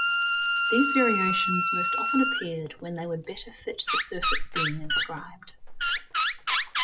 These variations most often appeared when they would better fit the surface being inscribed.